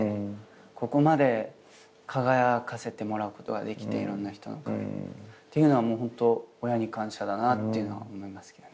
ここまで輝かせてもらうことができていろんな人のおかげでっていうのはホント親に感謝だなっていうのは思いますけどね。